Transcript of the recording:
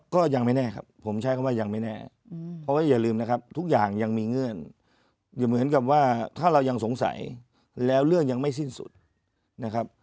ก็ยังไม่แน่ครับผมใช้คำว่ายังไม่แน่เพราะว่าอย่าลืมนะครับทุกอย่างยังมีเงื่อนอยู่เหมือนกับว่าถ้าเรายังสงสัยแล้วเรื่องยังไม่สิ้นสุดนะครับ